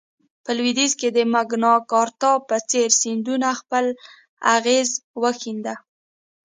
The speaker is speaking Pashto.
په لوېدیځ کې د مګناکارتا په څېر سندونو خپل اغېز وښند.